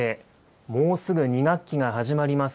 もうすぐ２学期が始まります。